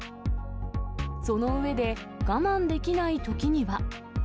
その上で、我慢できないときには。